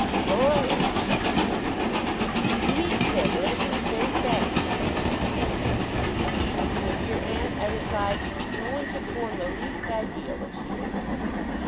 'Dora, indeed!' returned my aunt. 'And you mean to say the little thing is very fascinating, I suppose?' 'My dear aunt,' I replied, 'no one can form the least idea what she is!